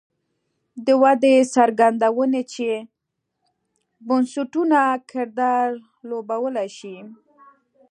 دا وده څرګندوي چې بنسټونه کردار لوبولی شي.